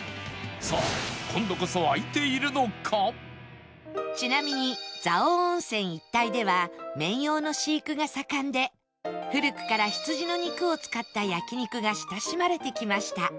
さあちなみに蔵王温泉一帯では綿羊の飼育が盛んで古くから羊の肉を使った焼肉が親しまれてきました